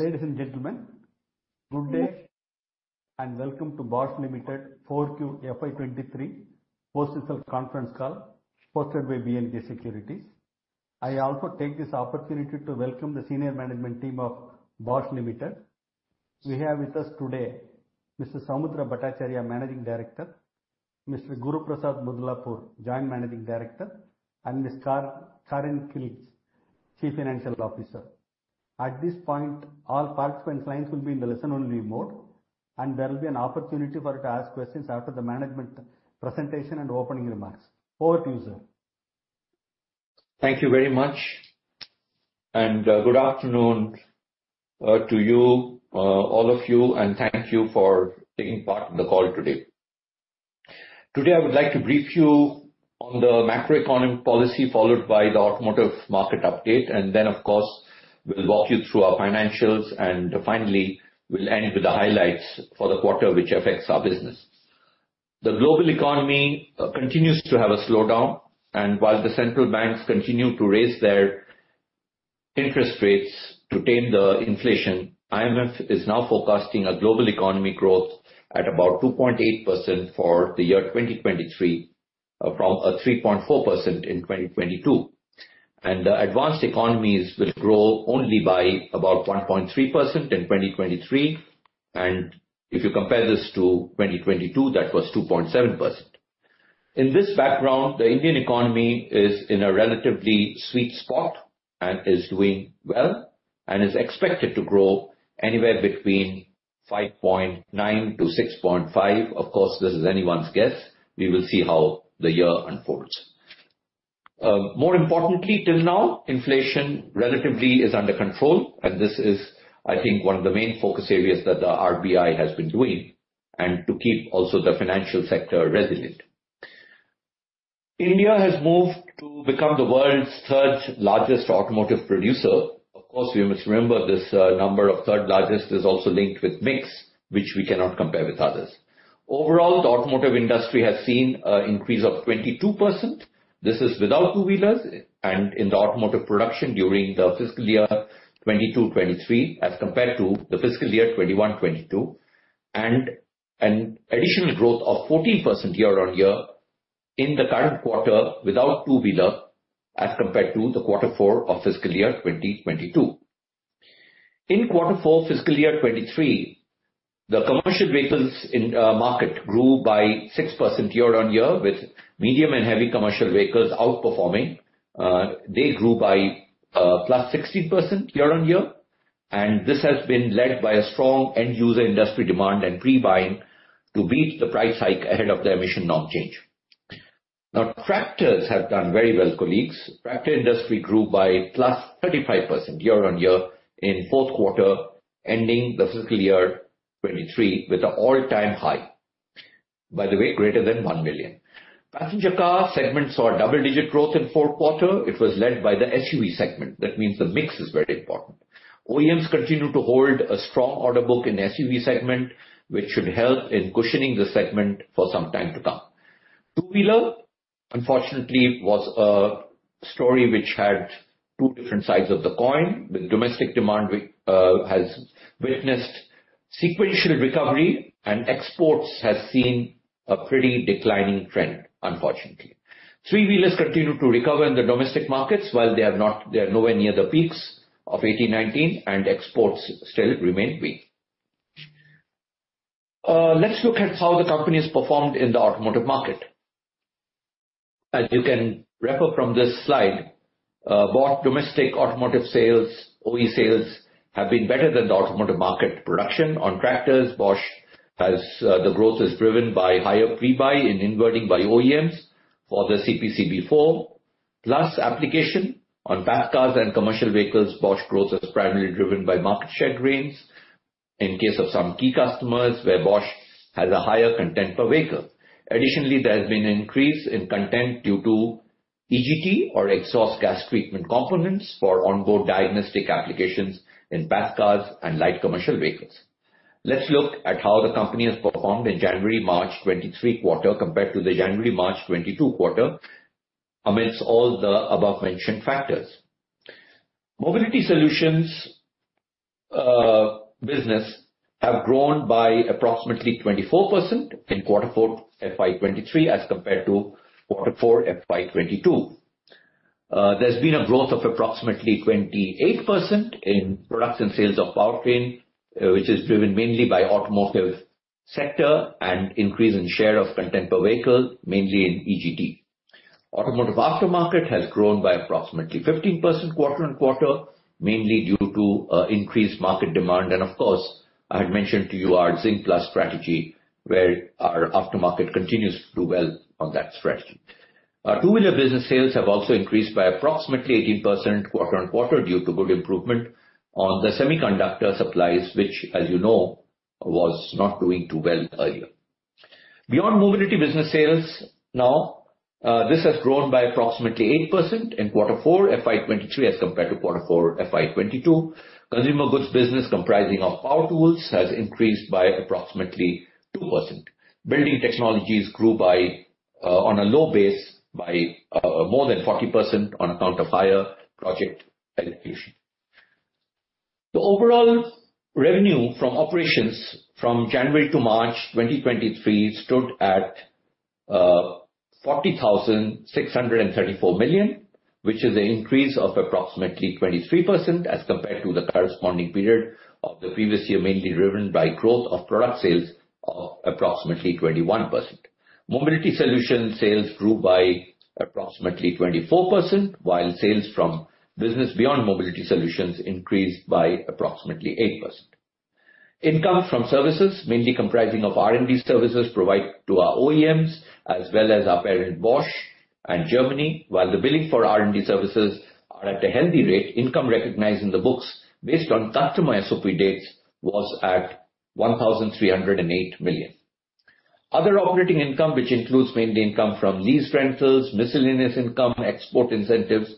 Ladies and gentlemen, good day and welcome to Bosch Limited 4Q FY23 post-result conference call hosted by B&K Securities. I also take this opportunity to welcome the senior management team of Bosch Limited. We have with us today Mr. Soumitra Bhattacharya, Managing Director, Mr. Guruprasad Mudlapur, Joint Managing Director, and Ms. Karin Gilges, Chief Financial Officer. At this point, all participants lines will be in the listen-only mode, there will be an opportunity for you to ask questions after the management presentation and opening remarks. Over to you, sir. Thank you very much, good afternoon to you all of you, thank you for taking part in the call today. Today, I would like to brief you on the macroeconomic policy, followed by the automotive market update, then, of course, we'll walk you through our financials, finally, we'll end with the highlights for the quarter which affects our business. The global economy continues to have a slowdown, while the central banks continue to raise their interest rates to tame the inflation, IMF is now forecasting a global economy growth at about 2.8% for the year 2023, from 3.4% in 2022. Advanced economies will grow only by about 1.3% in 2023. If you compare this to 2022, that was 2.7%. In this background, the Indian economy is in a relatively sweet spot and is doing well and is expected to grow anywhere between 5.9%-6.5%. Of course, this is anyone's guess. We will see how the year unfolds. More importantly, till now, inflation relatively is under control, and this is, I think, one of the main focus areas that the RBI has been doing and to keep also the financial sector resilient. India has moved to become the world's third-largest automotive producer. Of course, we must remember this number of third-largest is also linked with mix, which we cannot compare with others. Overall, the automotive industry has seen an increase of 22%. This is without two-wheelers and in the automotive production during the fiscal year 2022, 2023, as compared to the fiscal year 2021, 2022, and an additional growth of 14% year-over-year in the current quarter without two-wheeler, as compared to the quarter four of fiscal year 2022. In quarter four fiscal year 2023, the commercial vehicles market grew by 6% year-over-year, with medium and heavy commercial vehicles outperforming. They grew by +16% year-over-year. This has been led by a strong end user industry demand and pre-buying to beat the price hike ahead of the emission norm change. Tractors have done very well, colleagues. Tractor industry grew by +35% year-over-year in fourth quarter, ending the fiscal year 2023 with an all-time high, by the way, greater than 1 million. Passenger car segment saw double-digit growth in fourth quarter. It was led by the SUV segment. The mix is very important. OEMs continue to hold a strong order book in SUV segment, which should help in cushioning the segment for some time to come. Two-wheeler, unfortunately, was a story which had two different sides of the coin, with domestic demand we, has witnessed sequential recovery and exports has seen a pretty declining trend, unfortunately. Three-wheelers continue to recover in the domestic markets while they are nowhere near the peaks of 18, 19. Exports still remain weak. Let's look at how the company has performed in the automotive market. As you can refer from this slide, Bosch domestic automotive sales, OE sales, have been better than the automotive market production. On tractors, Bosch has, the growth is driven by higher pre-buy and onboarding by OEMs for the CPC before. Plus application on passenger cars and commercial vehicles, Bosch growth is primarily driven by market share gains in case of some key customers where Bosch has a higher content per vehicle. Additionally, there has been an increase in content due to EGT or exhaust gas treatment components for onboard diagnostic applications in passenger cars and light commercial vehicles. Let's look at how the company has performed in January-March 2023 quarter compared to the January-March 2022 quarter amidst all the above-mentioned factors. Mobility Solutions business have grown by approximately 24% in Q4 FY2023 as compared to Q4 FY2022. There's been a growth of approximately 28% in products and sales of Powertrain, which is driven mainly by automotive sector and increase in share of content per vehicle, mainly in EGT. Automotive aftermarket has grown by approximately 15% quarter-on-quarter, mainly due to increased market demand. Of course, I had mentioned to you our Zing Plus strategy, where our aftermarket continues to do well on that strategy. Our two-wheeler business sales have also increased by approximately 18% quarter-on-quarter due to good improvement on the semiconductor supplies, which, as you know, was not doing too well earlier. Beyond mobility business sales now, this has grown by approximately 8% in quarter four FY23 as compared to quarter four FY22. Consumer goods business comprising of power tools has increased by approximately 2%. Building technologies grew by on a low base by more than 40% on account of higher project allocation. The overall revenue from operations from January to March 2023 stood at 40,634 million, which is an increase of approximately 23% as compared to the corresponding period of the previous year, mainly driven by growth of product sales of approximately 21%. Mobility solution sales grew by approximately 24%, while sales from business beyond mobility solutions increased by approximately 8%. Income from services, mainly comprising of R&D services provided to our OEMs as well as our parent Bosch in Germany. While the billing for R&D services are at a healthy rate, income recognized in the books based on customer SOP dates was at 1,308 million. Other operating income, which includes mainly income from lease rentals, miscellaneous income, export incentives.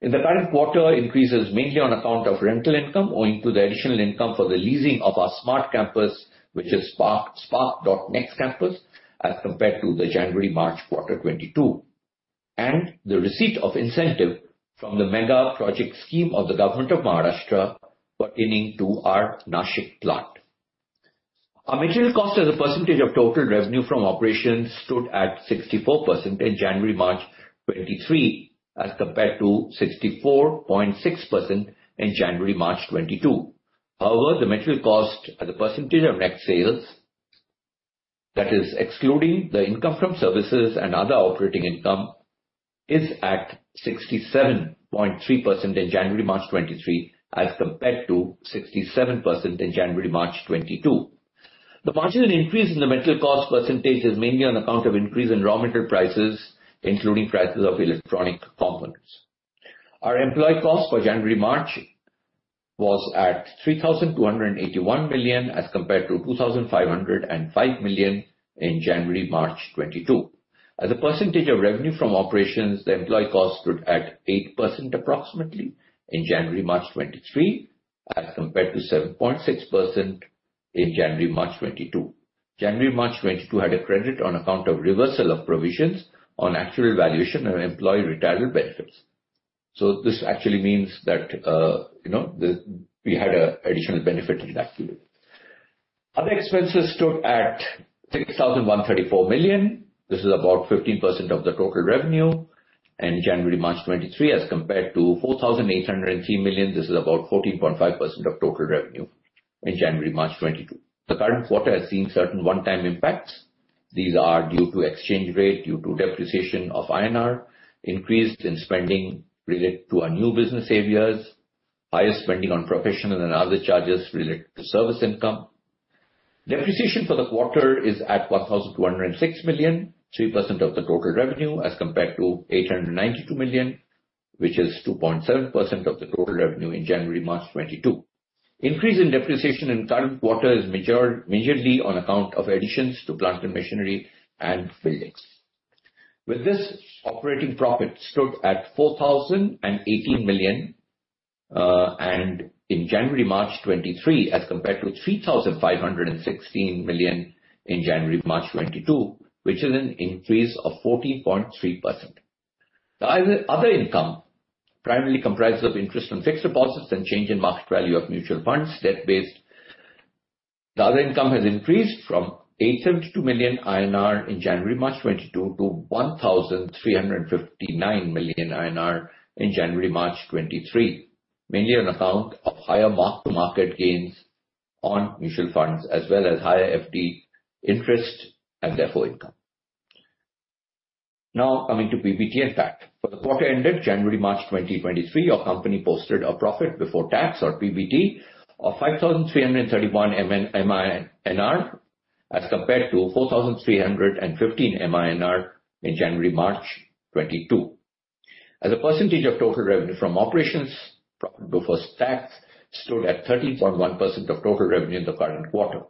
In the current quarter, increases mainly on account of rental income owing to the additional income for the leasing of our smart campus, which is Spark.NXT campus, as compared to the January-March quarter 2022, and the receipt of incentive from the Mega Project Scheme of the Government of Maharashtra pertaining to our Nashik plant. Our material cost as a percentage of total revenue from operations stood at 64% in January-March 2023, as compared to 64.6% in January-March 2022. However, the material cost as a percentage of net sales, that is excluding the income from services and other operating income, is at 67.3% in January-March 2023, as compared to 67% in January-March 2022. The marginal increase in the material cost percentage is mainly on account of increase in raw material prices, including prices of electronic components. Our employee cost for January-March was at 3,281 million, as compared to 2,505 million in January-March 2022. As a percentage of revenue from operations, the employee cost stood at 8% approximately in January-March 2023, as compared to 7.6% in January-March 2022. January-March 2022 had a credit on account of reversal of provisions on actuarial valuation of employee retirement benefits. This actually means that, you know, we had a additional benefit in that year. Other expenses stood at 6,134 million. This is about 15% of the total revenue in January-March 2023, as compared to 4,803 million. This is about 14.5% of total revenue in January-March 2022. The current quarter has seen certain one-time impacts. These are due to exchange rate, due to depreciation of INR, increased in spending related to our new business areas, higher spending on professional and other charges related to service income. Depreciation for the quarter is at 1,206 million, 3% of the total revenue, as compared to 892 million, which is 2.7% of the total revenue in January-March 2022. Increase in depreciation in current quarter is majorly on account of additions to plant and machinery and buildings. With this, operating profit stood at 4,018 million, and in January-March 2023, as compared to 3,516 million in January-March 2022, which is an increase of 14.3%. The other income primarily comprises of interest on fixed deposits and change in market value of mutual funds, debt-based. The other income has increased from 872 million INR in January-March 2022 to 1,359 million INR in January-March 2023, mainly on account of higher mark-to-market gains on mutual funds as well as higher FD interest and therefore income. Coming to PBT and PAT. For the quarter ended January-March 2023, our company posted a profit before tax or PBT of 5,331 million, as compared to 4,315 million in January-March 2022. As a percentage of total revenue from operations, profit before tax stood at 13.1% of total revenue in the current quarter.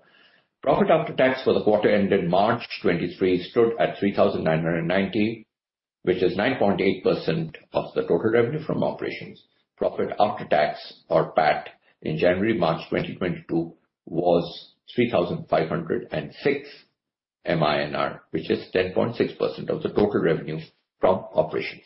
Profit after tax for the quarter ended March 2023 stood at 3,990 million, which is 9.8% of the total revenue from operations. Profit after tax or PAT in January-March 2022 was 3,506 million, which is 10.6% of the total revenue from operations.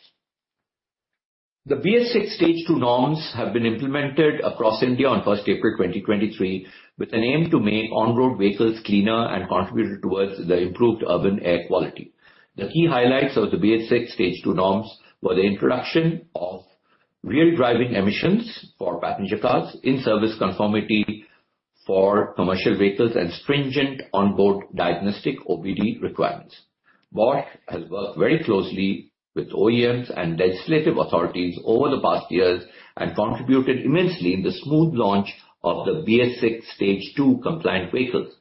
The BS-VI Stage-2 norms have been implemented across India on April 1, 2023, with an aim to make on-road vehicles cleaner and contribute towards the improved urban air quality. The key highlights of the BS-VI Stage-2 norms were the introduction of Real Driving Emissions for passenger cars, in-service conformity for commercial vehicles, and stringent on-board diagnostic OBD requirements. Bosch has worked very closely with OEMs and legislative authorities over the past years and contributed immensely in the smooth launch of the BS-VI Stage-2 compliant vehicles.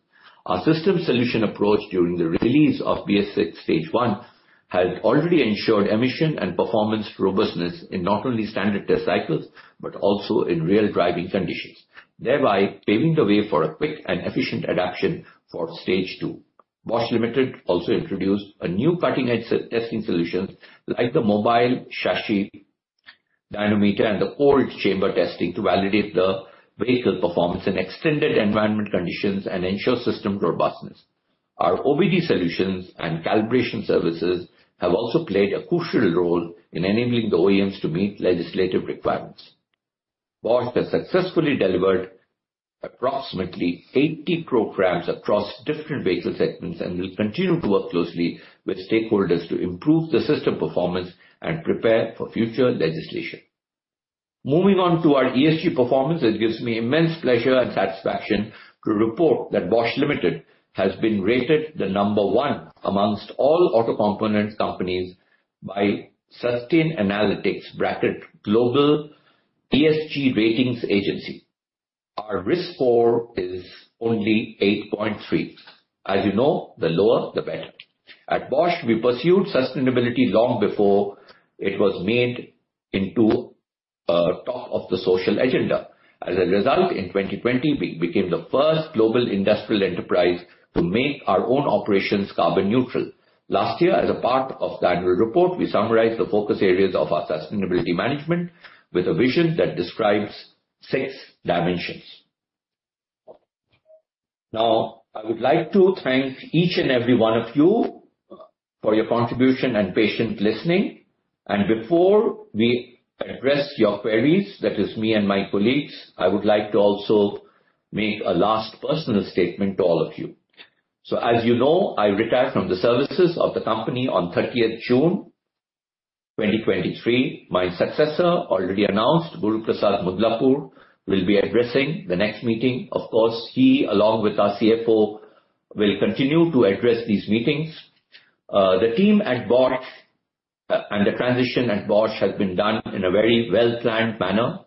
Our system solution approach during the release of BS-VI Stage-1 had already ensured emission and performance robustness in not only standard test cycles, but also in real driving conditions, thereby paving the way for a quick and efficient adaption for Stage 2. Bosch Limited also introduced a new cutting edge testing solutions like the Mobile Chassis Dynamometer and the cold chamber testing to validate the vehicle performance in extended environment conditions and ensure system robustness. Our OBD solutions and calibration services have also played a crucial role in enabling the OEMs to meet legislative requirements. Bosch has successfully delivered approximately 80 programs across different vehicle segments and will continue to work closely with stakeholders to improve the system performance and prepare for future legislation. Moving on to our ESG performance, it gives me immense pleasure and satisfaction to report that Bosch Limited has been rated the number one among all auto components companies by Sustainalytics Global ESG Ratings Agency. Our risk score is only 8.3. As you know, the lower the better. At Bosch, we pursued sustainability long before it was made into a talk of the social agenda. As a result, in 2020 we became the 1st global industrial enterprise to make our own operations carbon neutral. Last year, as a part of the annual report, we summarized the focus areas of our sustainability management with a vision that describes six dimensions. I would like to thank each and every one of you for your contribution and patient listening. Before we address your queries, that is me and my colleagues, I would like to also make a last personal statement to all of you. As you know, I retire from the services of the company on June 30, 2023. My successor, already announced, Guruprasad Mudlapur, will be addressing the next meeting. Of course, he along with our CFO, will continue to address these meetings. The team at Bosch and the transition at Bosch has been done in a very well-planned manner.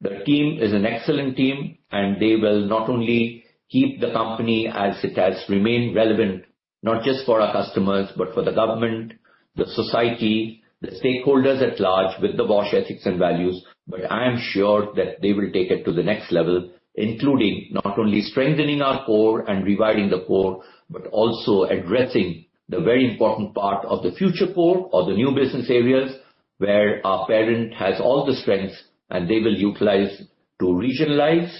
The team is an excellent team. They will not only keep the company as it has remained relevant, not just for our customers, but for the government, the society, the stakeholders at large, with the Bosch ethics and values, but I am sure that they will take it to the next level, including not only strengthening our core and rewired the core, but also addressing the very important part of the future core or the new business areas where our parent has all the strengths and they will utilize to regionalize,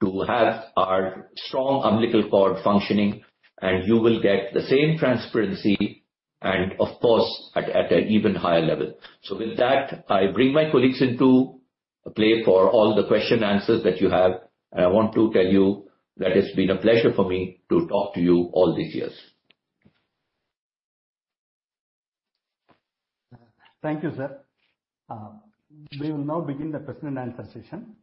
to have our strong umbilical cord functioning, and you will get the same transparency and of course, at an even higher level. With that, I bring my colleagues into play for all the question and answers that you have. I want to tell you that it's been a pleasure for me to talk to you all these years. Thank you, sir. We will now begin the question-and-answer session.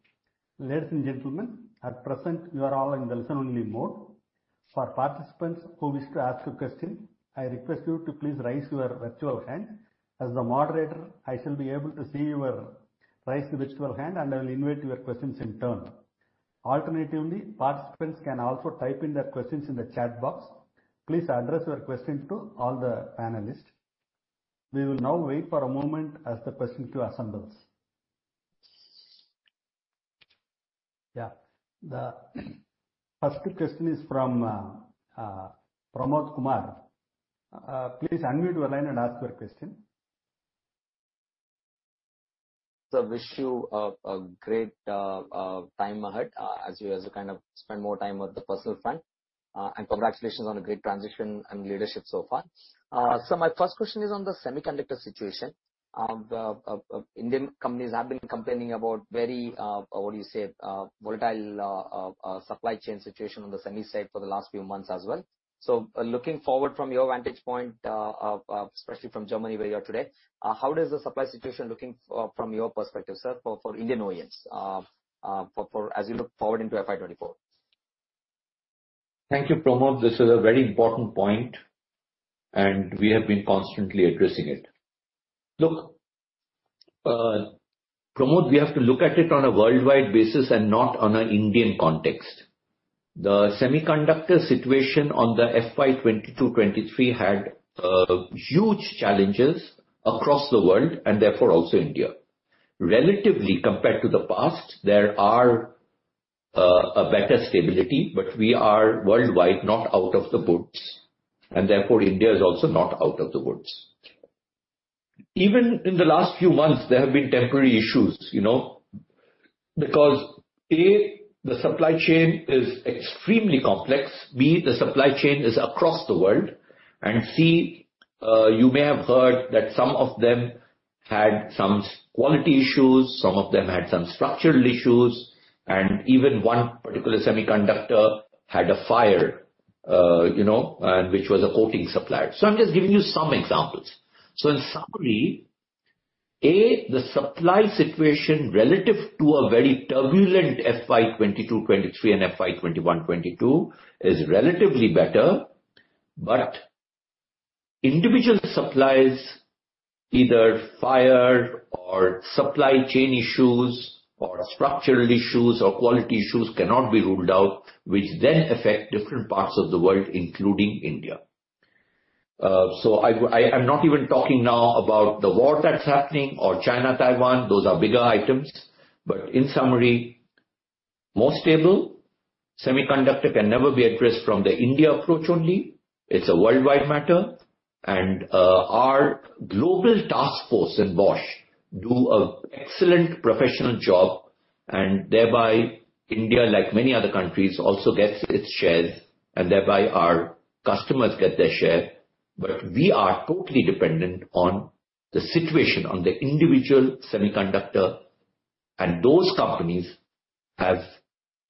Ladies and gentlemen, at present, you are all in listen-only mode. For participants who wish to ask a question, I request you to please raise your virtual hand. As the moderator, I shall be able to see your raised virtual hand, and I will invite your questions in turn. Alternatively, participants can also type in their questions in the chat box. Please address your question to all the panelists. We will now wait for a moment as the question queue assembles. The first question is from Pramod Kumar. Please unmute your line and ask your question. Sir, wish you a great time ahead, as you kind of spend more time on the personal front. Congratulations on a great transition and leadership so far. My first question is on the semiconductor situation. The Indian companies have been complaining about very, what do you say, volatile supply chain situation on the semi side for the last few months as well. Looking forward from your vantage point, especially from Germany, where you are today, how does the supply situation looking from your perspective, sir, for Indian OEMs, as you look forward into FY 2024? Thank you, Pramod. This is a very important point, we have been constantly addressing it. Look, Pramod, we have to look at it on a worldwide basis and not on an Indian context. The semiconductor situation on the FY 2022, 2023 had huge challenges across the world and therefore also India. Relatively compared to the past, there are a better stability, but we are worldwide, not out of the woods, and therefore India is also not out of the woods. Even in the last few months, there have been temporary issues, you know. Because, A, the supply chain is extremely complex. B, the supply chain is across the world. C, you may have heard that some of them had some quality issues, some of them had some structural issues. Even one particular semiconductor had a fire, you know, and which was a coating supplier. I'm just giving you some examples. In summary, A, the supply situation relative to a very turbulent FY22, FY23 and FY21, FY22 is relatively better. Individual supplies, either fire or supply chain issues or structural issues or quality issues cannot be ruled out, which then affect different parts of the world, including India. I'm not even talking now about the war that's happening or China, Taiwan. Those are bigger items. In summary. More stable. Semiconductor can never be addressed from the India approach only. It's a worldwide matter. Our global task force in Bosch do a excellent professional job. Thereby India, like many other countries, also gets its shares, and thereby our customers get their share. We are totally dependent on the situation, on the individual semiconductor, and those companies have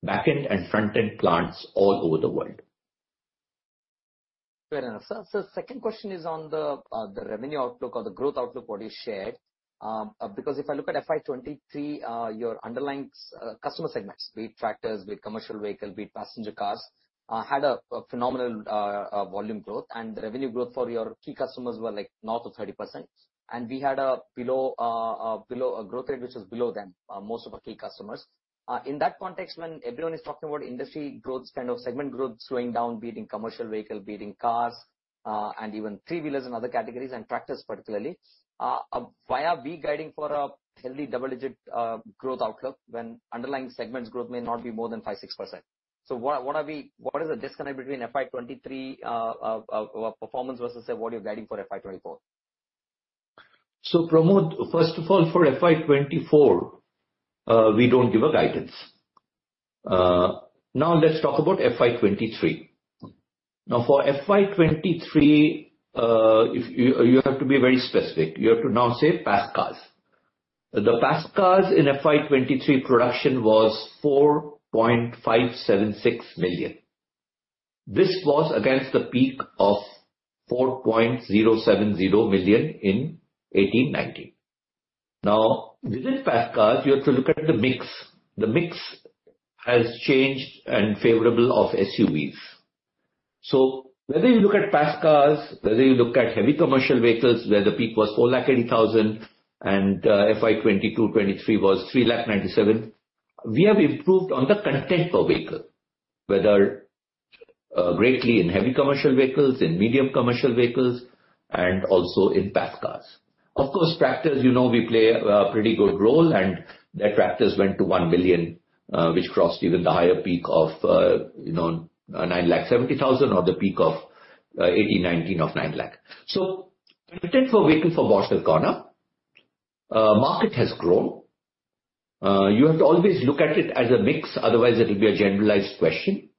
backend and front-end plants all over the world. Fair enough, sir. Sir, second question is on the revenue outlook or the growth outlook, what you shared. Because if I look at FY 2023, your underlying customer segments, be it tractors, be it commercial vehicle, be it passenger cars, had a phenomenal volume growth. The revenue growth for your key customers were like north of 30%. We had a below a growth rate which was below them, most of our key customers. In that context, when everyone is talking about industry growth, kind of segment growth slowing down, be it in commercial vehicle, be it in cars, and even three-wheelers and other categories, and tractors particularly, why are we guiding for a healthy double-digit growth outlook when underlying segments growth may not be more than 5%, 6%? What is the disconnect between FY 2023 performance versus, say, what you're guiding for FY 2024? Pramod, first of all, for FY 2024, we don't give a guidance. Let's talk about FY 2023. For FY 2023, if you have to be very specific. You have to now say passenger cars. The passenger cars in FY 2023 production was 4.576 million. This was against the peak of 4.070 million in 2018, 2019. Within passenger cars, you have to look at the mix. The mix has changed and favorable of SUVs. Whether you look at passenger cars, whether you look at heavy commercial vehicles, where the peak was 480,000 and FY 2022, 2023 was 397,000, we have improved on the content per vehicle. Whether greatly in heavy commercial vehicles, in medium commercial vehicles, and also in passenger cars. Of course, tractors, you know, we play a pretty good role. The tractors went to 1 million, which crossed even the higher peak of, you know, 970,000 or the peak of 2018-2019 of 900,000. Content per vehicle for Bosch has gone up. Market has grown. You have to always look at it as a mix, otherwise it will be a generalized question.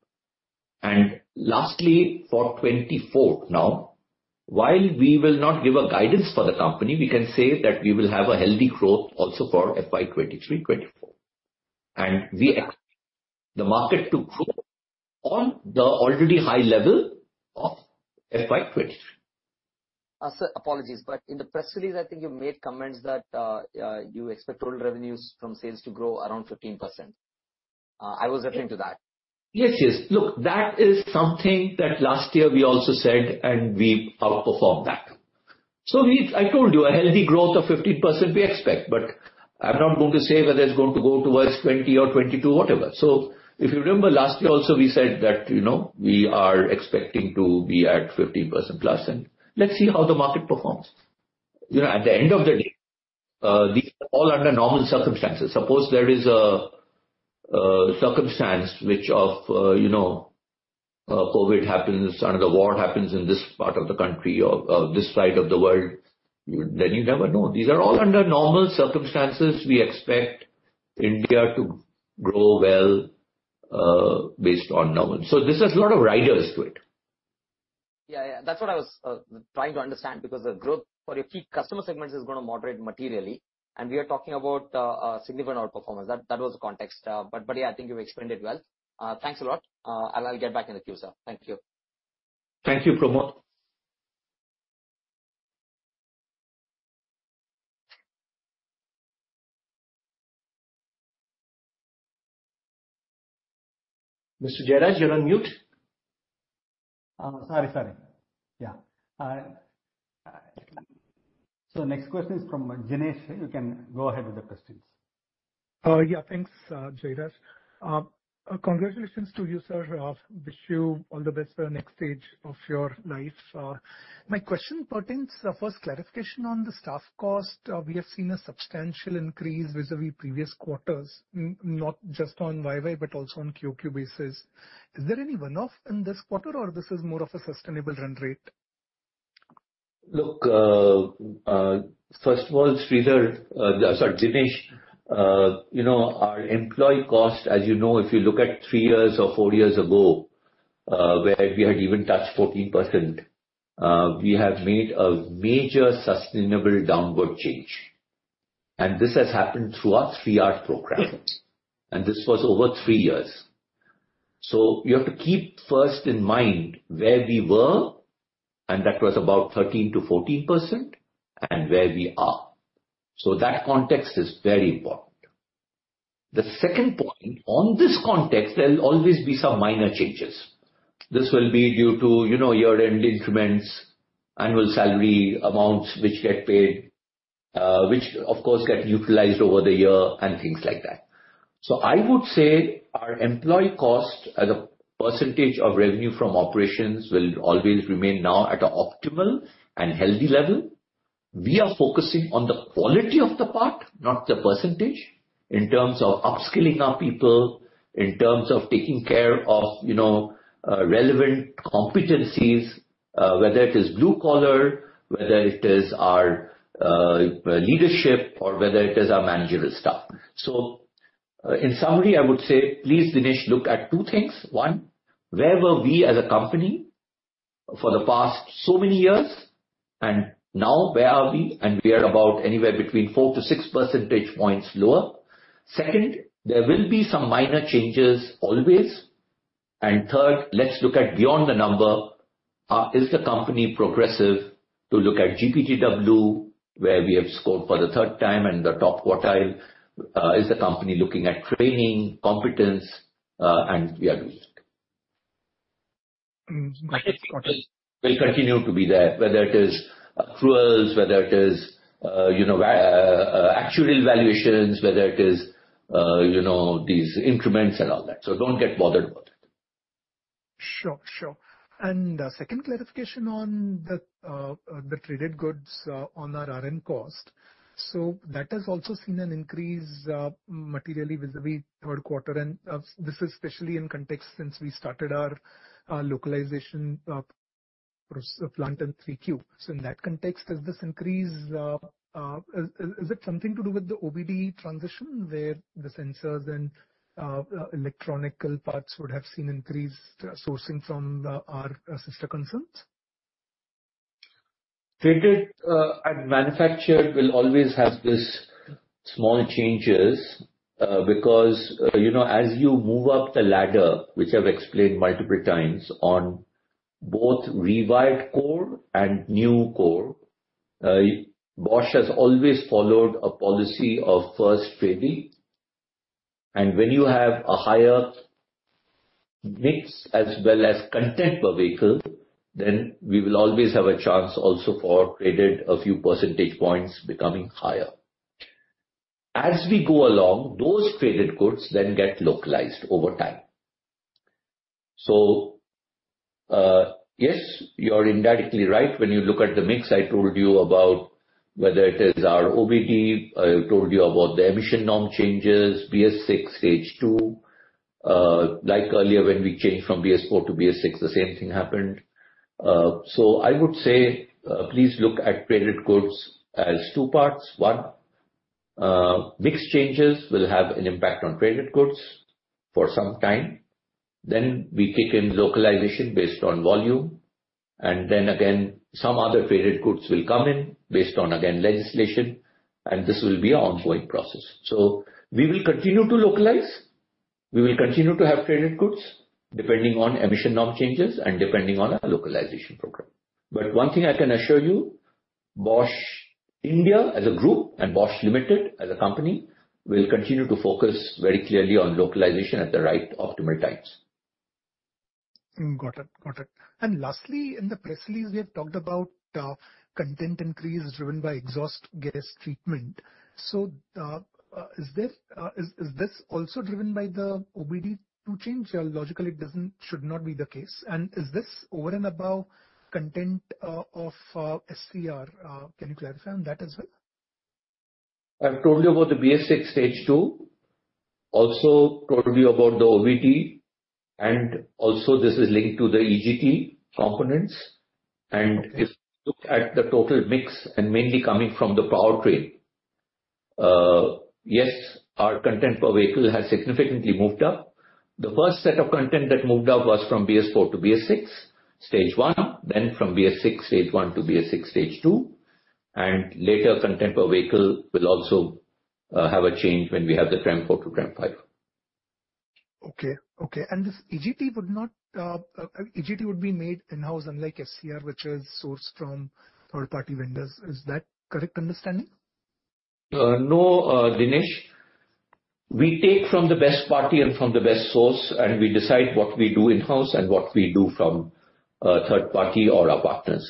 Lastly, for 2024 now, while we will not give a guidance for the company, we can say that we will have a healthy growth also for FY 2023-2024. We expect the market to grow on the already high level of FY 2023. Sir, apologies. In the press release, I think you made comments that you expect total revenues from sales to grow around 15%. I was referring to that. Yes, yes. Look, that is something that last year we also said, and we outperformed that. I told you, a healthy growth of 15% we expect, but I'm not going to say whether it's going to go towards 20 or 22 or whatever. If you remember last year also we said that, you know, we are expecting to be at 15% plus, and let's see how the market performs. You know, at the end of the day, these are all under normal circumstances. Suppose there is a circumstance which of, you know, COVID happens or the war happens in this part of the country or this side of the world, you never know. These are all under normal circumstances. We expect India to grow well, based on normal. This has a lot of riders to it. Yeah, yeah. That's what I was trying to understand, because the growth for a few customer segments is gonna moderate materially and we are talking about a significant outperformance. That, that was the context. But yeah, I think you've explained it well. Thanks a lot. I'll get back in the queue, sir. Thank you. Thank you, Pramod. Mr. Jayaraj, you're on mute. Sorry. Yeah. Next question is from Dinesh. You can go ahead with the questions. Yeah. Thanks, Jayaraj. Congratulations to you, sir. Wish you all the best for the next stage of your life. My question pertains, first clarification on the staff cost. We have seen a substantial increase vis-a-vis previous quarters, not just on YY but also on QQ basis. Is there any one-off in this quarter or this is more of a sustainable run rate? Look, first of all, Sridhar, sorry, Dinesh, you know, our employee cost, as you know, if you look at three years or four years ago, where we had even touched 14%, we have made a major sustainable downward change. This has happened through our 3R programs. This was over three years. You have to keep first in mind where we were, and that was about 13%-14%, and where we are. That context is very important. The second point on this context, there'll always be some minor changes. This will be due to, you know, year-end increments, annual salary amounts which get paid, which of course get utilized over the year and things like that. I would say our employee cost as a % of revenue from operations will always remain now at an optimal and healthy level. We are focusing on the quality of the part, not the %, in terms of upskilling our people, in terms of taking care of, you know, relevant competencies, whether it is blue collar, whether it is our leadership or whether it is our managerial staff. In summary, I would say please, Dinesh, look at two things. One, where were we as a company for the past so many years, and now where are we? We are about anywhere between 4-6 percentage points lower. Second, there will be some minor changes always. Third, let's look at beyond the number. Is the company progressive to look at GPTW, where we have scored for the third time in the top quartile? Is the company looking at training, competence? We are doing it. Got it. Got it. Will continue to be there, whether it is accruals, whether it is, you know, actuarial valuations, whether it is, you know, these increments and all that. Don't get bothered about it. Sure. Sure. Second clarification on the traded goods on our RN cost. That has also seen an increase materially vis-à-vis third quarter. This is especially in context since we started our localization plant in 3Q. In that context, does this increase? Is it something to do with the OBD transition, where the sensors and electronical parts would have seen increased sourcing from our sister concerns? Traded and manufactured will always have these small changes. Because, you know, as you move up the ladder, which I've explained multiple times on both rewired core and new core, Bosch has always followed a policy of first trading. When you have a higher mix as well as content per vehicle, then we will always have a chance also for traded, a few percentage points becoming higher. As we go along, those traded goods then get localized over time. Yes, you are indirectly right. When you look at the mix I told you about, whether it is our OBD, I told you about the emission norm changes, BS-VI Stage-2. Like earlier when we changed from BS-IV to BS-VI, the same thing happened. I would say, please look at traded goods as two parts. One, mix changes will have an impact on traded goods for some time. We kick in localization based on volume. Again, some other traded goods will come in based on, again, legislation. This will be an ongoing process. We will continue to localize. We will continue to have traded goods depending on emission norm changes and depending on our localization program. One thing I can assure you, Bosch India as a group and Bosch Limited as a company will continue to focus very clearly on localization at the right optimal times. Got it. Got it. Lastly, in the press release, we have talked about content increase driven by exhaust gas treatment. Is this also driven by the OBD2 change? Logically, it should not be the case. Is this over and above content of SCR? Can you clarify on that as well? I've told you about the BS-VI Stage-2, also told you about the OBD, and also this is linked to the EGT components. If you look at the total mix and mainly coming from the powertrain, yes, our content per vehicle has significantly moved up. The first set of content that moved up was from BS-IV to BS-VI Stage-1, then from BS-VI Stage-1 to BS-VI Stage-2. Later, content per vehicle will also have a change when we have the TREM-IV to TREM-V. Okay. Okay. This EGT would be made in-house, unlike SCR, which is sourced from third-party vendors. Is that correct understanding? No, Dinesh. We take from the best party and from the best source, and we decide what we do in-house and what we do from third party or our partners.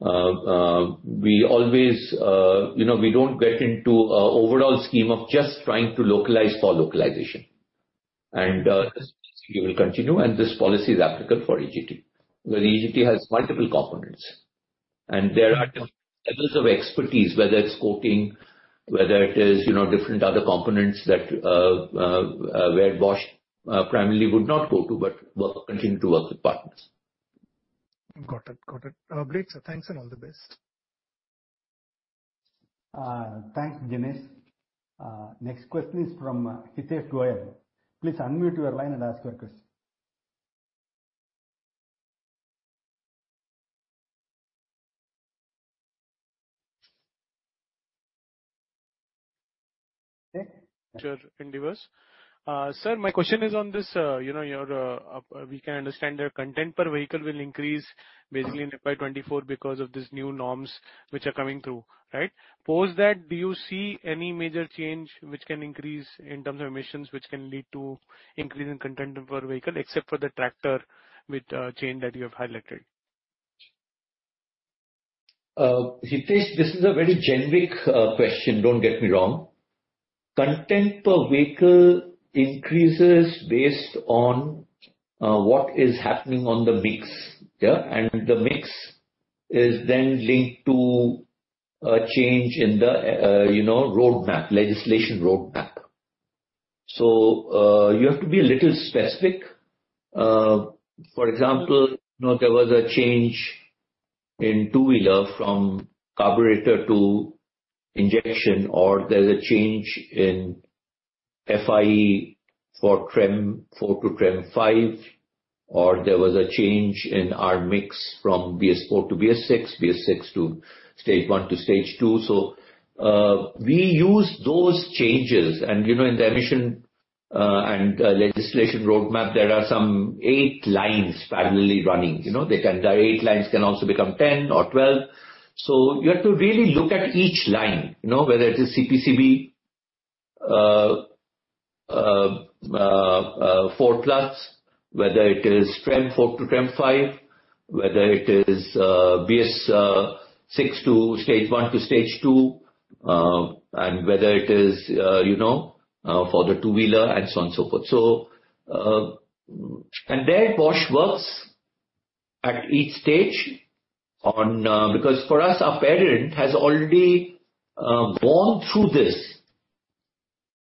We always, you know, we don't get into a overall scheme of just trying to localize for localization. We will continue, and this policy is applicable for EGT, where EGT has multiple components. There are levels of expertise, whether it's coating, whether it is, you know, different other components that where Bosch primarily would not go to but will continue to work with partners. Got it. Got it. Great, sir. Thanks and all the best. Thanks, Dinesh. Next question is from Hitesh Goel. Please unmute your line and ask your question. Sir? Endeavors. Sir, my question is on this, you know, we can understand your content per vehicle will increase basically in FY 2024 because of these new norms which are coming through, right? Post that, do you see any major change which can increase in terms of emissions, which can lead to increase in content per vehicle except for the tractor with, chain that you have highlighted? Hitesh, this is a very generic question, don't get me wrong. Content per vehicle increases based on what is happening on the mix. Yeah. The mix is then linked to a change in the, you know, roadmap, legislation roadmap. You have to be a little specific. For example, you know, there was a change in two-wheeler from carburetor to injection, or there's a change in FIE for TREM-IV to TREM-V, or there was a change in our mix from BS-IV to BS-VI to Stage 1 to Stage 2. We use those changes. You know, in the emission and legislation roadmap, there are some eight lines parallelly running. You know, the eight lines can also become 10 or 12. You have to really look at each line, you know, whether it is CPCB-IV plus, whether it is TREM-IV to TREM-V, whether it is BS-VI Stage 1 to Stage 2, and whether it is, you know, for the two-wheeler and so on and so forth. There Bosch works at each stage on. Because for us, our parent has already gone through this.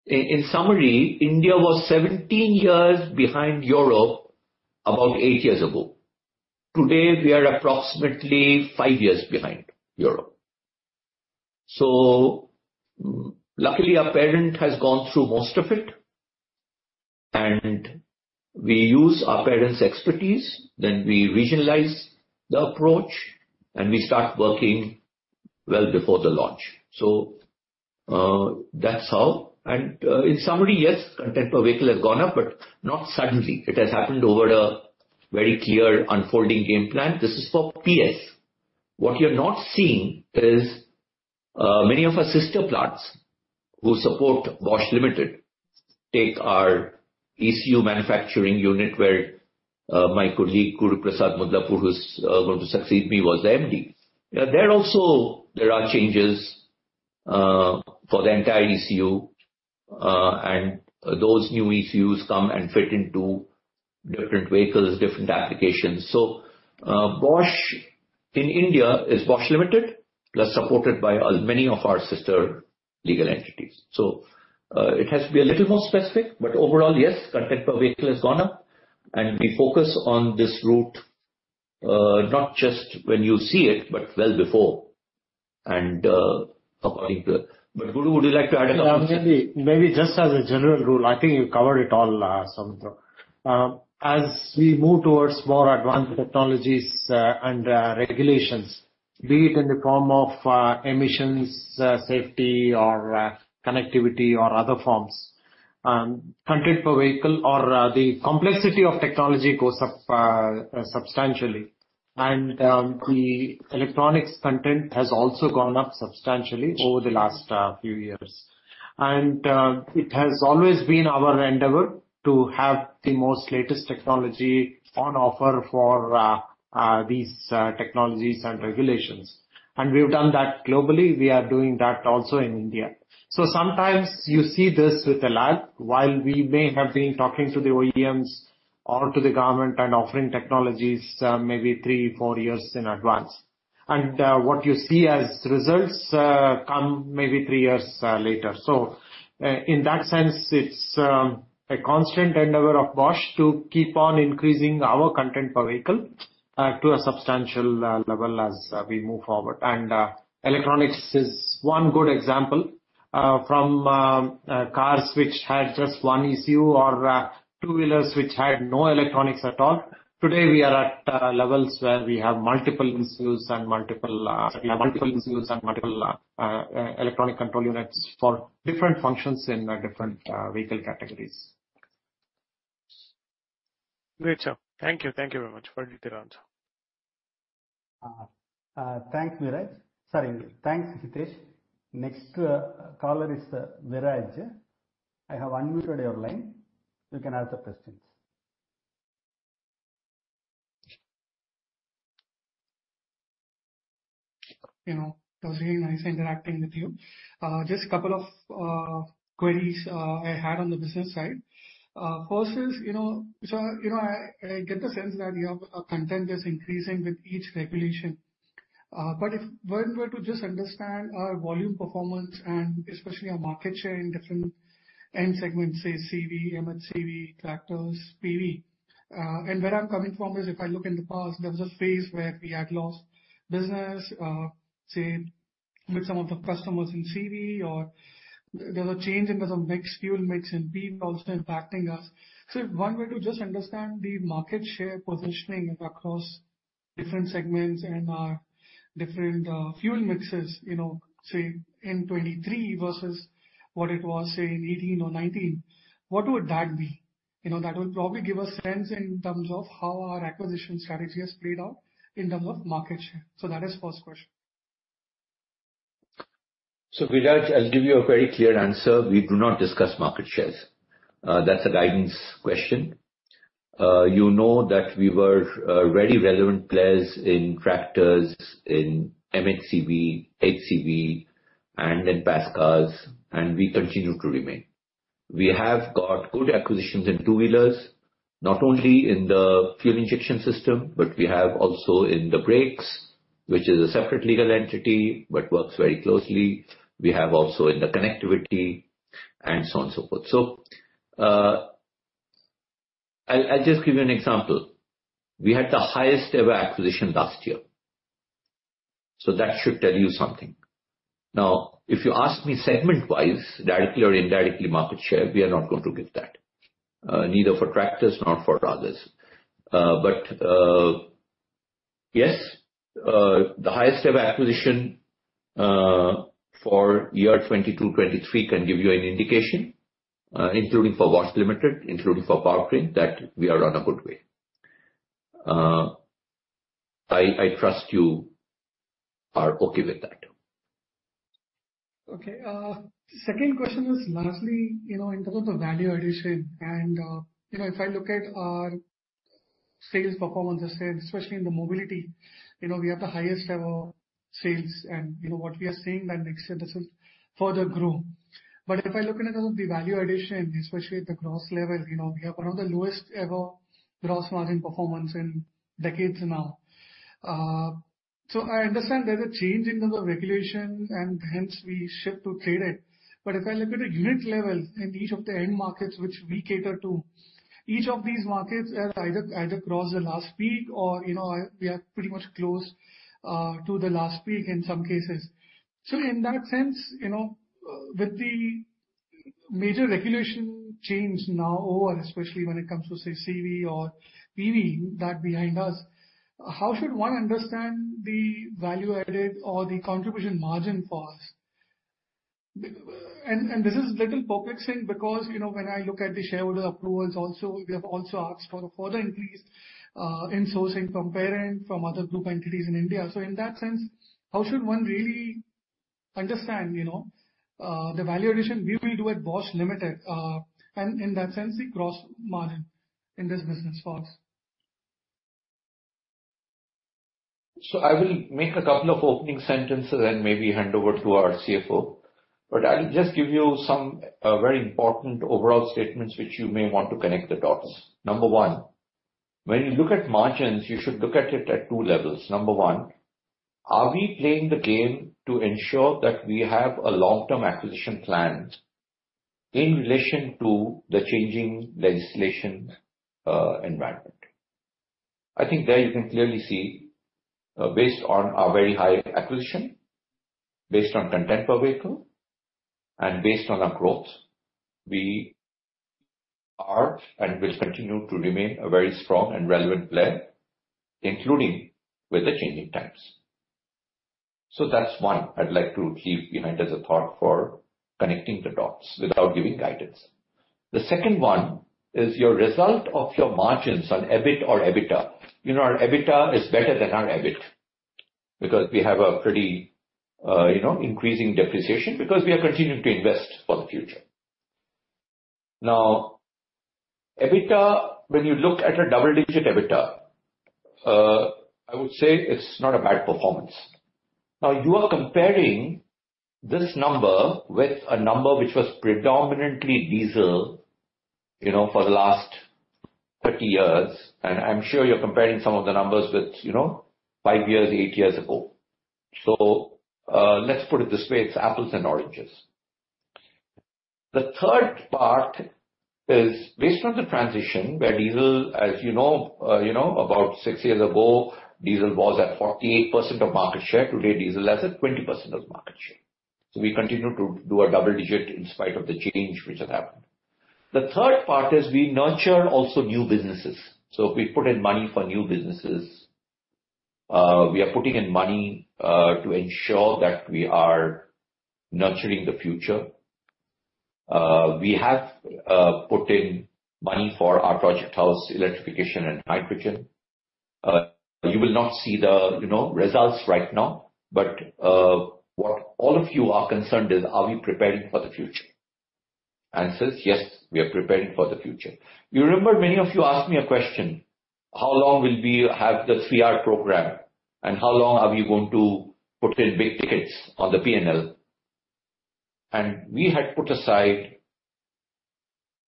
In summary, India was 17 years behind Europe about eight years ago. Today, we are approximately five years behind Europe. Luckily, our parent has gone through most of it, and we use our parent's expertise, then we regionalize the approach, and we start working well before the launch. That's how. In summary, yes, content per vehicle has gone up, but not suddenly. It has happened over a very clear unfolding game plan. This is for PS. What you're not seeing is many of our sister plants who support Bosch Limited take our ECU manufacturing unit where my colleague, Guruprasad Mudlapur, who's going to succeed me, was the MD. There also there are changes for the entire ECU, and those new ECUs come and fit into different vehicles, different applications. Bosch in India is Bosch Limited, plus supported by many of our sister legal entities. It has to be a little more specific, but overall, yes, content per vehicle has gone up and we focus on this route, not just when you see it, but well before and, according to... Guru, would you like to add a couple of things? Maybe just as a general rule, I think you covered it all, Soumitra Bhattacharya. As we move towards more advanced technologies, and regulations, be it in the form of emissions, safety or connectivity or other forms, content per vehicle or the complexity of technology goes up substantially. The electronics content has also gone up substantially over the last few years. It has always been our endeavor to have the most latest technology on offer for these technologies and regulations. We've done that globally. We are doing that also in India. Sometimes you see this with a lag while we may have been talking to the OEMs or to the government and offering technologies, maybe three, four years in advance. What you see as results come maybe three years later. In that sense, it's a constant endeavor of Bosch to keep on increasing our content per vehicle to a substantial level as we move forward. Electronics is one good example from cars which had just one ECU or two-wheelers which had no electronics at all. Today, we are at levels where we have multiple ECUs and multiple electronic control units for different functions in different vehicle categories. Great. Thank you. Thank you very much for the detailed answer. Thanks, Viraj. Sorry. Thanks, Hitesh. Next, caller is Viraj. I have unmuted your line. You can ask the questions. You know, it was really nice interacting with you. Just a couple of queries I had on the business side. First is, you know, so, you know, I get the sense that your content is increasing with each regulation. If one were to just understand our volume performance and especially our market share in different end segments, say CV, MHCV, tractors, PV. Where I'm coming from is if I look in the past, there was a phase where we had lost business, say with some of the customers in CV or there was a change in terms of mix, fuel mix in PV also impacting us. If one were to just understand the market share positioning across different segments and different fuel mixes, you know, say in 2023 versus what it was, say in 2018 or 2019, what would that be? You know, that would probably give a sense in terms of how our acquisition strategy has played out in terms of market share. That is first question. Viraj, I'll give you a very clear answer. We do not discuss market shares. That's a guidance question. You know that we were very relevant players in tractors, in M&HCV and in passenger cars, and we continue to remain. We have got good acquisitions in two-wheelers, not only in the fuel injection system, but we have also in the brakes, which is a separate legal entity, but works very closely. We have also in the connectivity and so on, so forth. I'll just give you an example. We had the highest ever acquisition last year. That should tell you something. Now, if you ask me segment-wise, directly or indirectly, market share, we are not going to give that, neither for tractors nor for others. yes, the highest ever acquisition for year 2022, 2023 can give you an indication, including for Bosch Limited, including for Powertrain, that we are on a good way. I trust you are okay with that. Okay. Second question is lastly, you know, in terms of value addition and, you know, if I look at our sales performance, especially in the mobility, you know, we have the highest ever sales and, you know, what we are seeing that next year this will further grow. If I look in terms of the value addition, especially at the gross level, you know, we have one of the lowest ever gross margin performance in decades now. I understand there's a change in terms of regulation and hence we shift to trade it. If I look at the unit level in each of the end markets which we cater to, each of these markets have either crossed the last peak or, you know, we are pretty much close to the last peak in some cases. In that sense, you know, with the major regulation change now over, especially when it comes to, say, CV or PV that behind us, how should one understand the value added or the contribution margin for us? And this is little perplexing because, you know, when I look at the shareholder approvals also, we have also asked for a further increase in sourcing from parent, from other group entities in India. In that sense, how should one really understand, you know, the value addition we will do at Bosch Limited, and in that sense, the gross margin in this business for us? I will make a couple of opening sentences and maybe hand over to our CFO. I'll just give you some very important overall statements which you may want to connect the dots. Number one, when you look at margins, you should look at it at two levels. Number one, are we playing the game to ensure that we have a long-term acquisition plan in relation to the changing legislation environment? I think there you can clearly see, based on our very high acquisition, based on content per vehicle, and based on our growth, we are and will continue to remain a very strong and relevant player, including with the changing times. That's one I'd like to leave, you know, as a thought for connecting the dots without giving guidance. The second one is your result of your margins on EBIT or EBITDA. You know, our EBITDA is better than our EBIT because we have a pretty, you know, increasing depreciation because we are continuing to invest for the future. EBITDA, when you look at a double-digit EBITDA, I would say it's not a bad performance. You are comparing this number with a number which was predominantly diesel, you know, for the last 30 years. I'm sure you're comparing some of the numbers with, you know, five years, eight years ago. Let's put it this way, it's apples and oranges. The third part is based on the transition where diesel, as you know, you know, about six years ago, diesel was at 48% of market share. Today, diesel has a 20% of market share. We continue to do a double digit in spite of the change which has happened. The third part is we nurture also new businesses. We put in money for new businesses. We are putting in money to ensure that we are nurturing the future. We have put in money for our project house electrification and hydrogen. You will not see the, you know, results right now, but what all of you are concerned is, are we preparing for the future? Answer is yes, we are preparing for the future. You remember many of you asked me a question, "How long will we have the CR program, and how long are we going to put in big tickets on the P&L?" We had put aside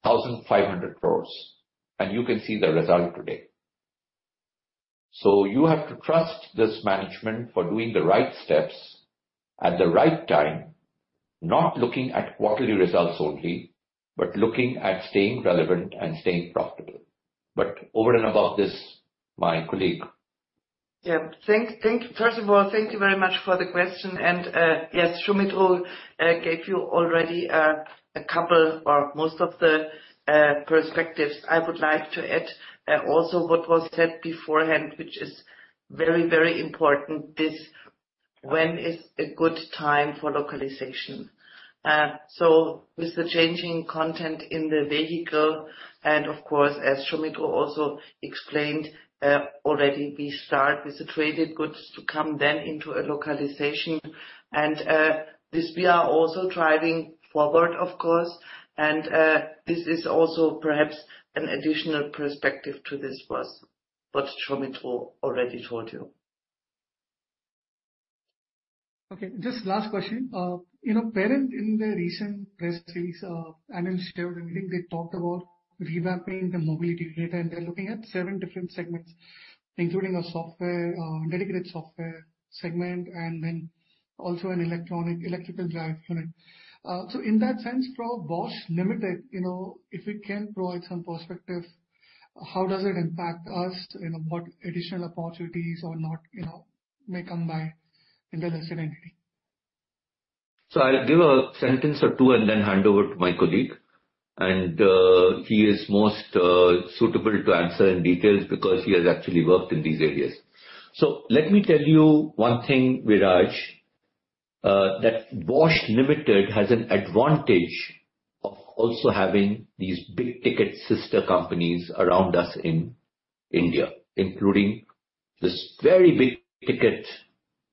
1,500 crores, and you can see the result today. You have to trust this management for doing the right steps at the right time, not looking at quarterly results only, but looking at staying relevant and staying profitable. Over and above this, my colleague. Yeah. Thank you very much for the question. Yes, Soumitra gave you already a couple or most of the perspectives. I would like to add also what was said beforehand, which is very, very important, this when is a good time for localization. With the changing content in the vehicle and of course, as Soumitra also explained, already we start with the traded goods to come then into a localization. This we are also driving forward of course, and this is also perhaps an additional perspective to this was what Soumitra already told you. Okay, just last question. you know, parent in the recent press release, analyst meeting, they talked about revamping the mobility unit. They're looking at seven different segments, including a software, dedicated software segment, and then also an electronic electrical drive unit. In that sense, for Bosch Limited, you know, if you can provide some perspective, how does it impact us? You know, what additional opportunities or not, you know, may come by in the recent entity. I'll give a sentence or two and then hand over to my colleague. He is most suitable to answer in details because he has actually worked in these areas. Let me tell you one thing, Viraj, that Bosch Limited has an advantage of also having these big-ticket sister companies around us in India, including this very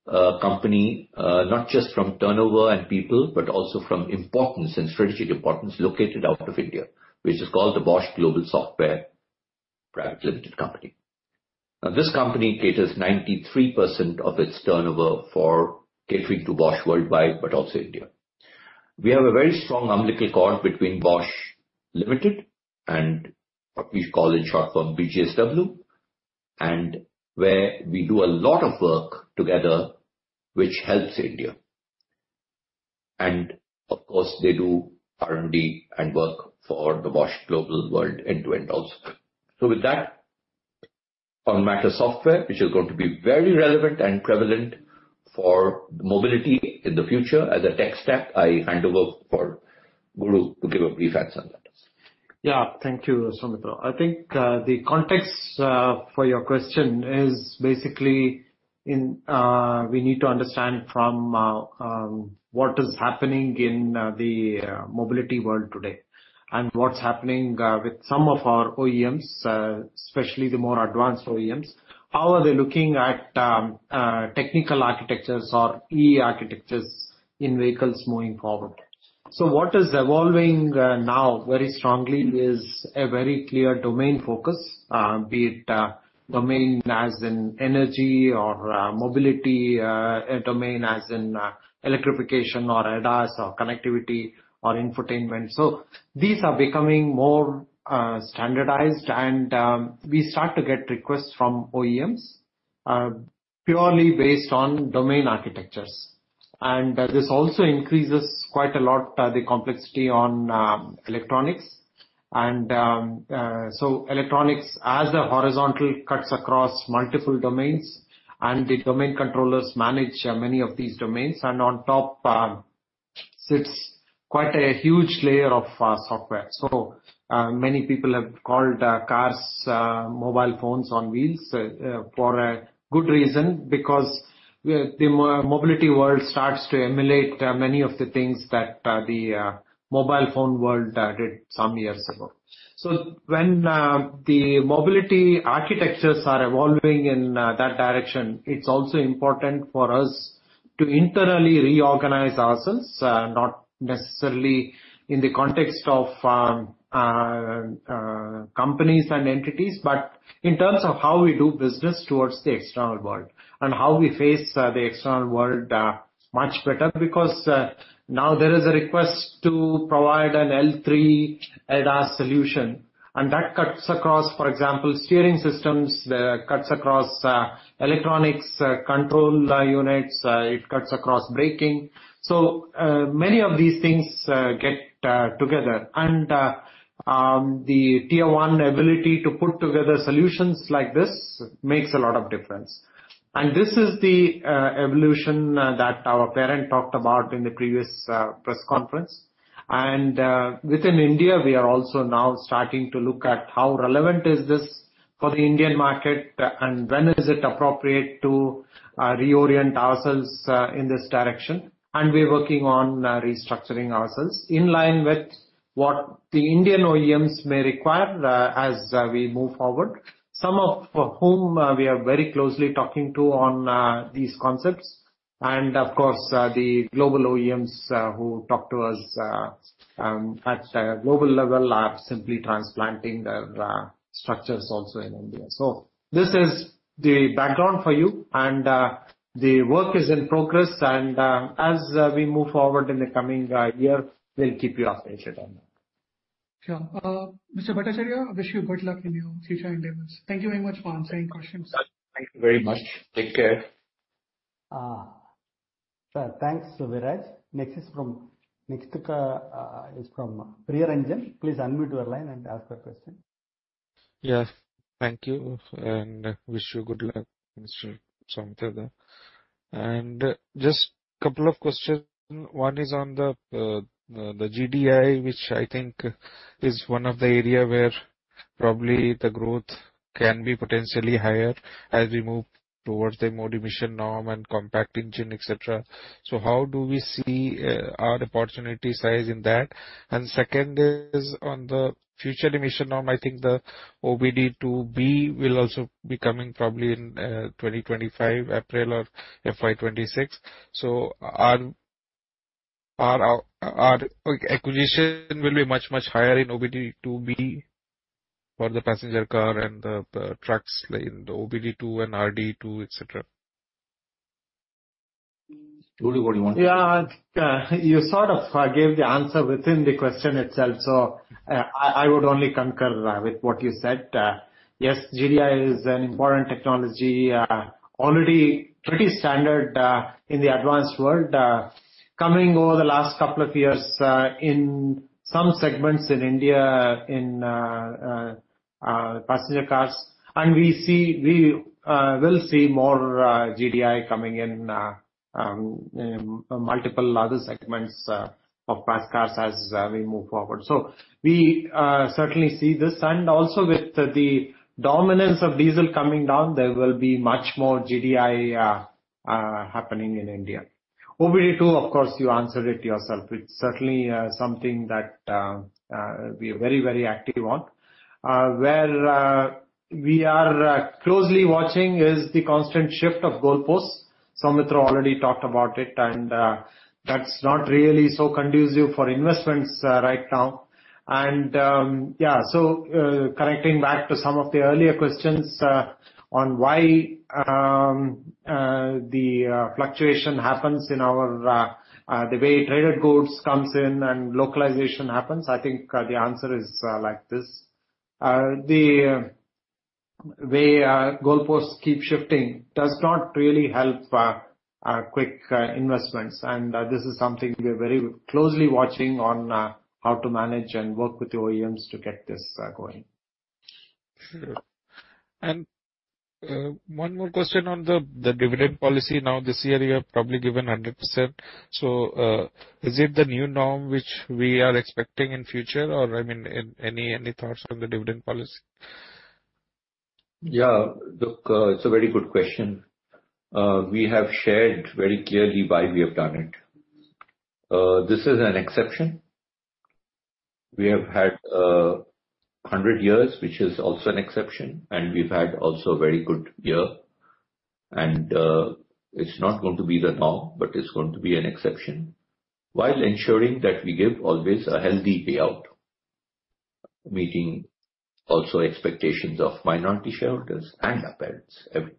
big-ticket company, not just from turnover and people, but also from importance and strategic importance located out of India, which is called the Bosch Global Software Technologies Private Limited. Now, this company caters 93% of its turnover for catering to Bosch worldwide, but also India. We have a very strong umbilical cord between Bosch Limited and what we call in short form, BGSW, and where we do a lot of work together, which helps India. Of course, they do R&D and work for the Bosch global world end-to-end also. With that, on matter software, which is going to be very relevant and prevalent for mobility in the future as a tech stack, I hand over for Guru to give a brief answer on that. Yeah. Thank you, Soumitra. I think the context for your question is basically in, we need to understand from what is happening in the mobility world today and what's happening with some of our OEMs, especially the more advanced OEMs. How are they looking at technical architectures or e-architectures in vehicles moving forward? What is evolving now very strongly is a very clear domain focus, be it domain as in energy or mobility, a domain as in electrification or ADAS or connectivity or infotainment. These are becoming more standardized and we start to get requests from OEMs purely based on domain architectures. This also increases quite a lot, the complexity on electronics and, so electronics as a horizontal cuts across multiple domains, and the domain controllers manage many of these domains. On top, sits quite a huge layer of software. Many people have called cars, mobile phones on wheels, for a good reason, because the mobility world starts to emulate many of the things that the mobile phone world did some years ago. When the mobility architectures are evolving in that direction, it's also important for us to internally reorganize ourselves, not necessarily in the context of companies and entities, but in terms of how we do business towards the external world and how we face the external world much better. Now there is a request to provide an L3 ADAS solution, and that cuts across, for example, steering systems, cuts across electronics, control units. It cuts across braking. Many of these things get together. The tier one ability to put together solutions like this makes a lot of difference. This is the evolution that our parent talked about in the previous press conference. Within India, we are also now starting to look at how relevant is this for the Indian market and when is it appropriate to reorient ourselves in this direction. We're working on restructuring ourselves in line with what the Indian OEMs may require as we move forward, some of, for whom, we are very closely talking to on these concepts. Of course, the global OEMs who talk to us at a global level are simply transplanting their structures also in India. This is the background for you. The work is in progress. As we move forward in the coming year, we'll keep you updated on that. Sure. Mr. Bhattacharya, wish you good luck in your future endeavors. Thank you very much for answering questions. Thank you very much. Take care. Thanks, Viraj. Next is from Priyaranjan. Please unmute your line and ask your question. Yes. Thank you, and wish you good luck, Mr. Soumitra. Just couple of questions. One is on the GDI, which I think is one of the area where probably the growth can be potentially higher as we move towards the more emission norm and compact engine, et cetera. How do we see our opportunity size in that? Second is on the future emission norm. I think the OBD2B will also be coming probably in 2025 April or FY 2026. Our acquisition will be much, much higher in OBD2B for the passenger car and the trucks in the OBD2 and RDE, et cetera. Udo, what do you want to- Yeah. You sort of gave the answer within the question itself, so I would only concur with what you said. Yes, GDI is an important technology, already pretty standard in the advanced world, coming over the last couple of years in some segments in India in passenger cars. We will see more GDI coming in multiple other segments of pass cars as we move forward. We certainly see this. Also with the dominance of diesel coming down, there will be much more GDI happening in India. OBD2, of course, you answered it yourself. It's certainly something that we are very, very active on. Where we are closely watching is the constant shift of goalposts. Soumitra already talked about it, that's not really so conducive for investments right now. Yeah, connecting back to some of the earlier questions on why the fluctuation happens in our the way traded goods comes in and localization happens, I think the answer is like this. The way goalposts keep shifting does not really help quick investments. This is something we're very closely watching on how to manage and work with the OEMs to get this going. Sure. One more question on the dividend policy now. This year you have probably given 100%. Is it the new norm which we are expecting in future? Or, I mean, any thoughts on the dividend policy? Yeah. Look, it's a very good question. We have shared very clearly why we have done it. This is an exception. We have had, 100 years, which is also an exception, and we've had also a very good year. It's not going to be the norm, but it's going to be an exception, while ensuring that we give always a healthy payout, meeting also expectations of minority shareholders and our parents, every.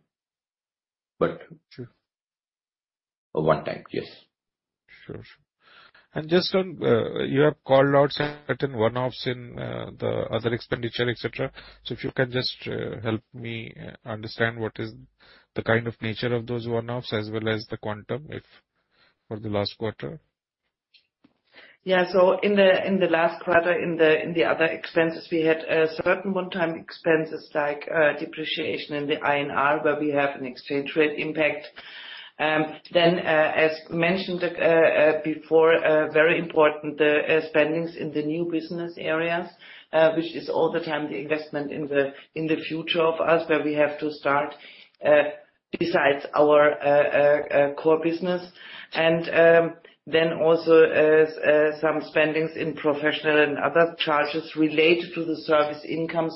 Sure. For one time. Yes. Sure. Sure. Just on, you have called out certain one-offs in, the other expenditure, et cetera. If you can just help me understand what is the kind of nature of those one-offs as well as the quantum, if for the last quarter? Yeah. In the last quarter, in the other expenses, we had certain one-time expenses like depreciation in the INR where we have an exchange rate impact. As mentioned before, very important spendings in the new business areas, which is all the time the investment in the future of us where we have to start besides our core business. Also some spendings in professional and other charges related to the service income.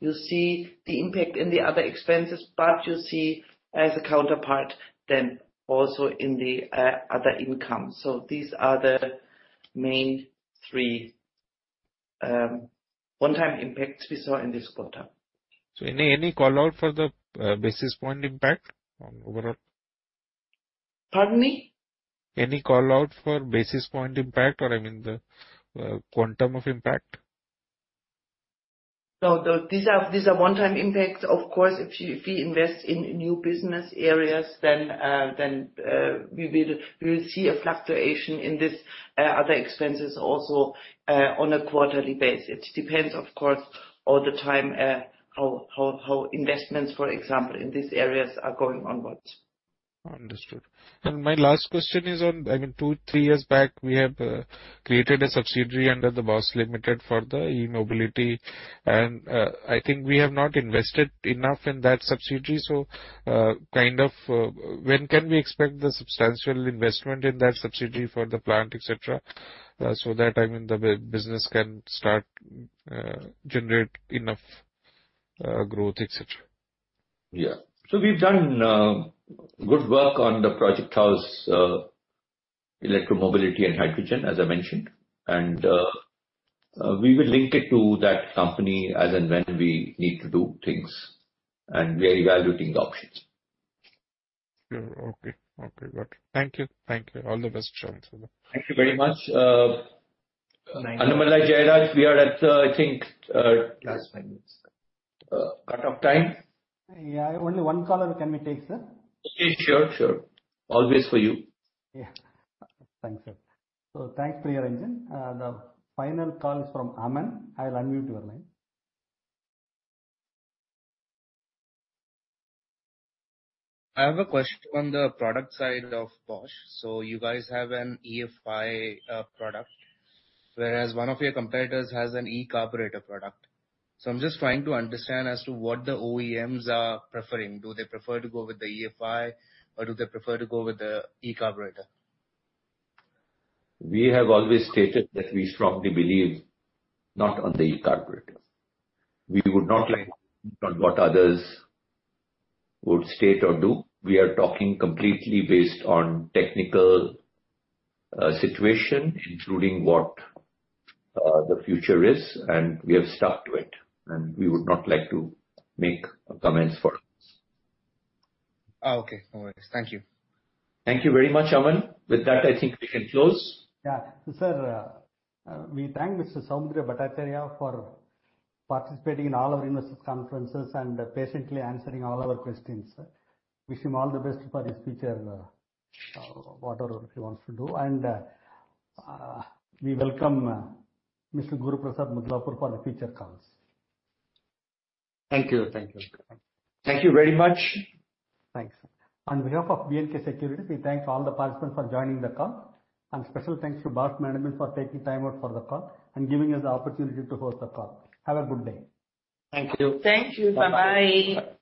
You see the impact in the other expenses, but you see as a counterpart then also in the other income. These are the main three one-time impacts we saw in this quarter. Any call out for the basis point impact on overall? Pardon me? Any call-out for basis point impact or, I mean, the quantum of impact? These are one-time impacts. Of course, if we invest in new business areas, then we will see a fluctuation in this other expenses also on a quarterly basis. Depends, of course, all the time, how investments, for example, in these areas are going onwards. Understood. My last question is on, I mean, two, three years back, we have created a subsidiary under Bosch Limited for the e-mobility, and I think we have not invested enough in that subsidiary. Kind of, when can we expect the substantial investment in that subsidiary for the plant, et cetera, so that, I mean, the business can start generate enough growth, et cetera? Yeah. We've done good work on the project house, electromobility and hydrogen, as I mentioned. We will link it to that company as and when we need to do things, and we are evaluating the options. Sure. Okay. Okay. Got it. Thank you. Thank you. All the best. Cheers. Thank you very much. Thank you. Annamalai Jayaraj, we are at, I think. Last five minutes, sir. Cut-off time. Yeah. Only one caller can we take, sir? Okay. Sure. Sure. Always for you. Yeah. Thank you, sir. Thanks to your engine. The final call is from Aman. I'll unmute your line. I have a question on the product side of Bosch. You guys have an EFI product, whereas one of your competitors has an e-carburetor product. I'm just trying to understand as to what the OEMs are preferring. Do they prefer to go with the EFI or do they prefer to go with the e-carburetor? We have always stated that we strongly believe not on the e-carburetor. We would not like on what others would state or do. We are talking completely based on technical situation, including what the future is. We have stuck to it, and we would not like to make comments for others. Oh, okay. No worries. Thank you. Thank you very much, Aman. With that, I think we can close. Yeah. Sir, we thank Mr. Soumitra Bhattacharya for participating in all our investors conferences and patiently answering all our questions. Wish him all the best for his future, whatever he wants to do. We welcome Mr. Guruprasad Mudlapur for the future calls. Thank you. Thank you. Thank you. Thank you very much. Thanks. On behalf of B&K Securities, we thank all the participants for joining the call. Special thanks to Bosch management for taking time out for the call and giving us the opportunity to host the call. Have a good day. Thank you. Thank you. Bye.